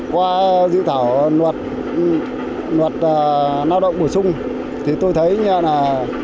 qua dự thảo luật lao động bổ sung thì tôi thấy như thế này